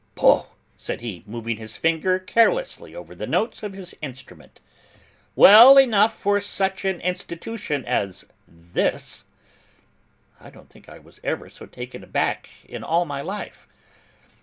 'Poh!' said he, moving his fingers carelessly over the notes of his instrument: 'Well enough for such an Institution as this!' I don't think I was ever so taken aback in all my life.